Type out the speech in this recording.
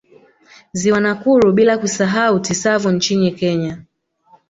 Ziwa Nakuru bila kusahau Tsavo nchini Kenya